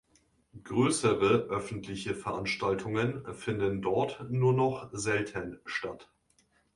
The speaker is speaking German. Größere öffentliche Veranstaltungen finden dort nur noch selten statt.